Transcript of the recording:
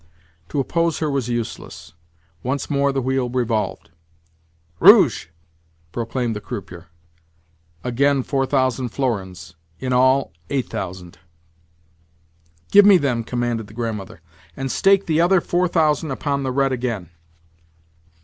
To oppose her was useless. Once more the wheel revolved. "Rouge!" proclaimed the croupier. Again 4000 florins—in all 8000! "Give me them," commanded the Grandmother, "and stake the other 4000 upon the red again."